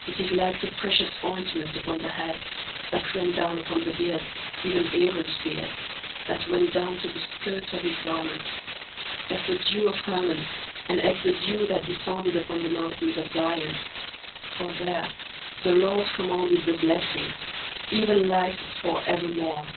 19:133:002 It is like the precious ointment upon the head, that ran down upon the beard, even Aaron's beard: that went down to the skirts of his garments; 19:133:003 As the dew of Hermon, and as the dew that descended upon the mountains of Zion: for there the LORD commanded the blessing, even life for evermore.